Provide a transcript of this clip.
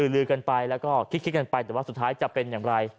ลือกันไปแล้วก็คิดกันไปแต่ว่าสุดท้ายจะเป็นอย่างไร